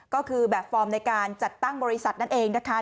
ก็คือแบบฟอร์มในการจัดตั้งบริษัทนั่นเองนะคะ